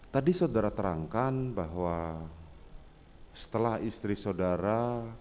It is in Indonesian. tadi saudara terangkan bahwa setelah istri saudara